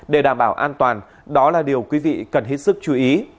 để đảm bảo an toàn đó là điều quý vị cần hết sức chú ý